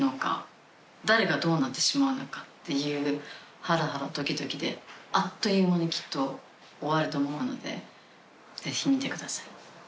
誰がどうなってしまうのかっていうハラハラドキドキであっという間にきっと終わると思うのでぜひ見てください。